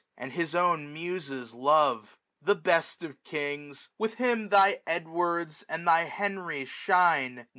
And his own Muses love ; the best of Kings ! With him thy Edwards and thy Henrys shine.